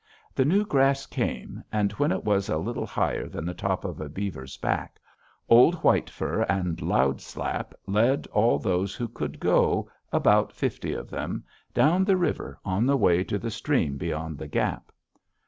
The new grass came, and when it was a little higher than the top of a beaver's back, old White Fur and Loud Slap led all those who could go, about fifty of them, down the river on the way to the stream beyond the gap.